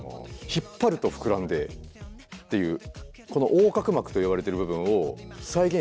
引っ張ると膨らんでっていうこの横隔膜といわれてる部分を再現したやつがあって。